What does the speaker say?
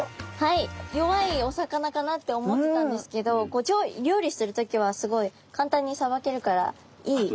弱いお魚かなって思ってたんですけど料理する時はすごい簡単にさばけるからいい。